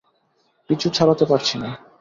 পিছু ছাড়াতে পারছি না।